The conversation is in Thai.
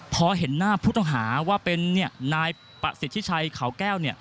พอเห็นหน้าผู้ต้องหาว่าเป็นนายประสิทธิชัยเขาแก้ว